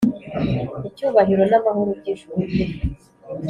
Icyubahiro n’amahoro by’ijuru